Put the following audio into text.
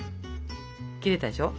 切れたでしょ？